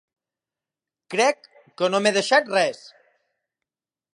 Crec que no m'he deixat res.